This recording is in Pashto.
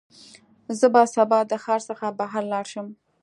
زه به سبا د ښار څخه بهر لاړ شم.